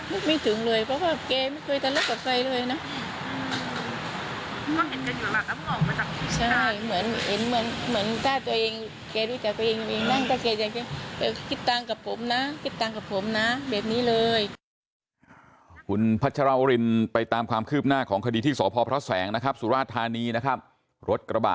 ไม่ถึงเลยเพราะว่าแกไม่เคยทะเลาะกับใครเลยนะ